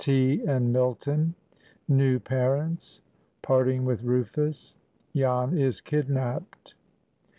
—TEA AND MILTON.—NEW PARENTS.—PARTING WITH RUFUS.—JAN IS KIDNAPPED.